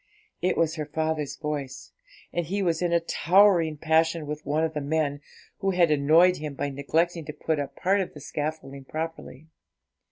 It was her father's voice, and he was in a towering passion with one of the men, who had annoyed him by neglecting to put up part of the scaffolding properly.